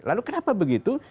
lalu kenapa begitu